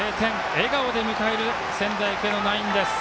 笑顔で迎える仙台育英のナイン。